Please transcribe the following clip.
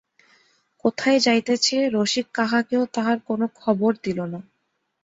কোথায় যাইতেছে রসিক কাহাকেও তাহার কোনো খবর দিল না।